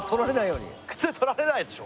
靴取られないでしょ。